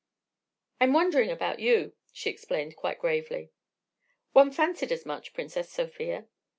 "I'm wondering about you," she explained quite gravely. "One fancied as much, Princess Sofia."